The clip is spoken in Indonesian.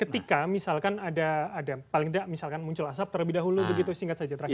ketika misalkan ada paling tidak misalkan muncul asap terlebih dahulu begitu singkat saja terakhir